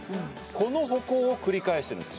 この歩行を繰り返してるんです